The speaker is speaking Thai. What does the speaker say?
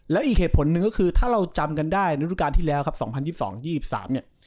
แล้วอีกเหตุผลหนึ่งก็คือถ้าเราจำกันได้ในฤดูการที่แล้วครับ๒๐๒๒๓เนี่ย